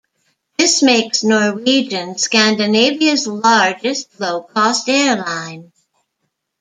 This makes Norwegian Scandinavia's largest low-cost airline.